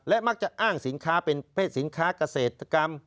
มักจะอ้างสินค้าเป็นเพศสินค้าเกษตรกรรม